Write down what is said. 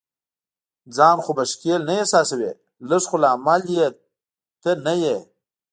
ځان خو به ښکیل نه احساسوې؟ لږ، خو لامل یې ته نه یې.